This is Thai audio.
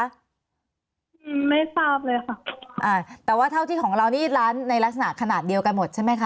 ไม่ทราบเลยค่ะอ่าแต่ว่าเท่าที่ของเรานี่ร้านในลักษณะขนาดเดียวกันหมดใช่ไหมคะ